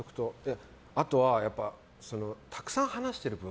あとは、たくさん話している分